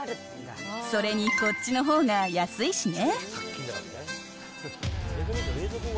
それにこっちのほうが安いしね。